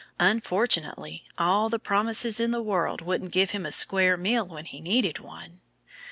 Unfortunately, all the promises in the world wouldn't give him a square meal when he needed one.